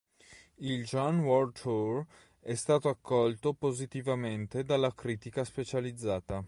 Il "Joanne World Tour" è stato accolto positivamente dalla critica specializzata.